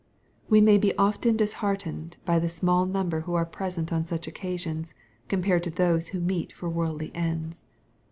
We may be often disheartened by the small number who are present on such occasions, compared to those who meet for worldly ends.